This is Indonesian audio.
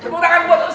keberanian buat ustaz